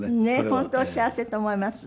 本当お幸せと思います。